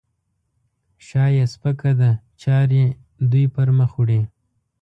شا یې سپکه ده؛ چارې دوی پرمخ وړي.